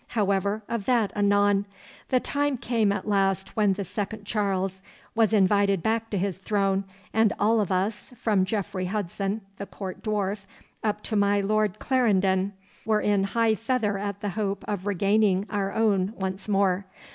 However, of that anon. The time came at last when the second Charles was invited back to his throne, and all of us, from Jeffrey Hudson, the court dwarf, up to my Lord Clarendon, were in high feather at the hope of regaining our own once more.